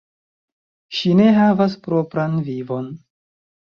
Ŝi ne havas propran vivon.